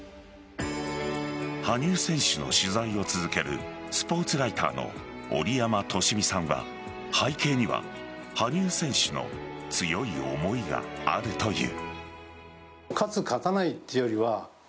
羽生選手の取材を続けるスポーツライターの折山淑美さんは背景には羽生選手の強い思いがあるという。